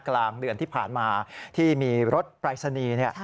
กลางเดือนที่ผ่านมาที่มีรถปรายศนีย์